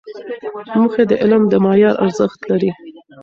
موخې د علم د معیار ارزښت لري.